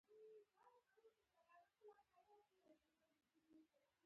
پانګوال سل میلیونه اضافي ارزښت ترلاسه کوي